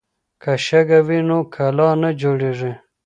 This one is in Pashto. که شګه وي نو کلا نه جوړیږي.